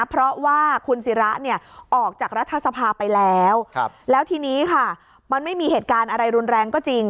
เพราะว่าคุณศิระเนี่ยออกจากรัฐสภาไปแล้วแล้วทีนี้ค่ะมันไม่มีเหตุการณ์อะไรรุนแรงก็จริง